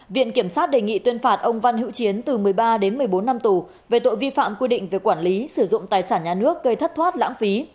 viện kiểm sát đề nghị tuyên phạt ông văn hữu chiến từ một mươi ba đến một mươi bốn năm tù về tội vi phạm quy định về quản lý sử dụng tài sản nhà nước gây thất thoát lãng phí